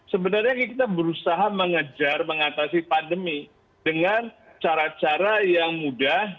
sebenarnya kita berusaha mengejar mengatasi pandemi dengan cara cara yang mudah